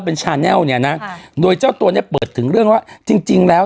เป็นเนี้ยน่ะโดยเจ้าตัวเนี้ยเปิดถึงเรื่องว่าจริงแล้ว